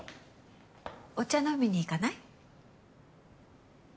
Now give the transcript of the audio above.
お茶飲みにいかない？